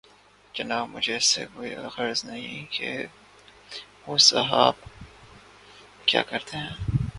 جناب مجھے اس سے کوئی غرض نہیں کہ وہ صاحب کیا کرتے ہیں۔